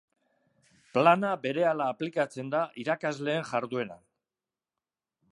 Plana berehala aplikatzen da irakasleen jardueran.